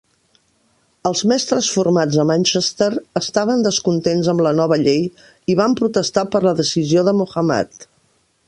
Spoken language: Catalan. Els mestres formats a Manchester estaven descontents amb la nova llei i van protestar per la decisió de Mohamad.